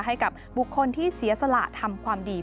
ให้กับบุคคลที่เสียสละทำความดี